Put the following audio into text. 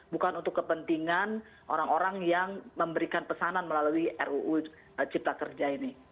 bukan untuk kepentingan orang orang yang memberikan pesanan melalui ruu cipta kerja ini